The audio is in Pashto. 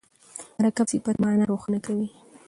مرکب صفت مانا روښانه کوي.